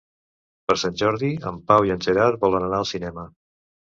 Per Sant Jordi en Pau i en Gerard volen anar al cinema.